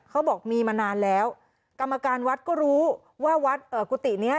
เขาบอกมีมานานแล้วกรรมการวัดก็รู้ว่าวัดกุฏิเนี้ย